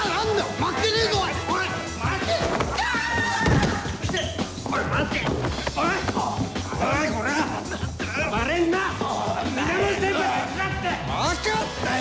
分かったよ